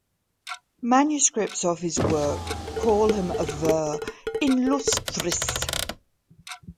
Manuscripts of his work call him a "vir inlustris".